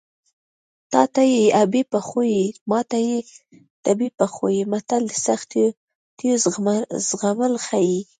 تاته یې ابۍ پخوي ماته یې تبۍ پخوي متل د سختیو زغمل ښيي